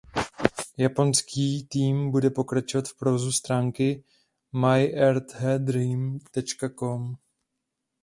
Japonský tým bude pokračovat v provozu stránky myearthdream.com.